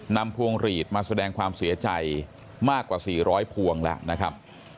พวงหลีดมาแสดงความเสียใจมากกว่า๔๐๐พวงแล้วนะครับ